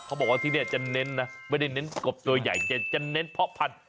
เขาบอกว่าที่นี่จะเน้นนะไม่ได้เน้นกบตัวใหญ่แต่จะเน้นเพาะพันธุ